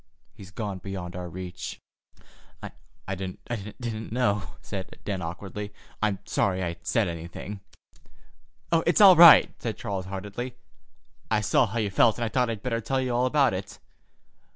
He's gone beyond our reach." "I didn't know," said Dan awkwardly. "I'm sorry I said anything——" "It's all right," said Charles heartily. "I saw how you felt, and I thought I'd better tell you all about it.